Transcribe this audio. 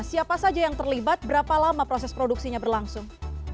siapa saja yang terlibat berapa lama proses produksinya berlangsung